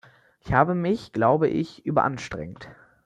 Ich habe mich, glaube ich, überanstrengt.